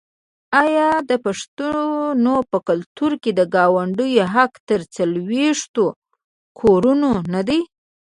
آیا د پښتنو په کلتور کې د ګاونډي حق تر څلوېښتو کورونو نه دی؟